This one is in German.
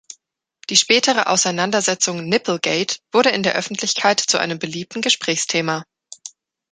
Die spätere Auseinandersetzung „Nipplegate“ wurde in der Öffentlichkeit zu einem beliebten Gesprächsthema.